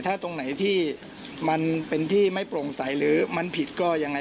ถ้าตรงไหนที่มันเป็นที่ไม่โปร่งใสหรือมันผิดก็ยังไง